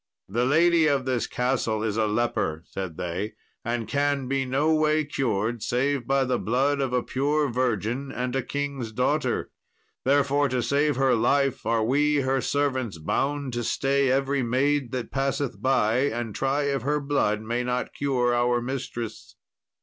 "The lady of this castle is a leper," said they, "and can be no way cured save by the blood of a pure virgin and a king's daughter; therefore to save her life are we her servants bound to stay every maid that passeth by, and try if her blood may not cure our mistress."